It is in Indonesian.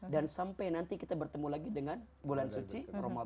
dan sampai nanti kita bertemu lagi dengan bulan suci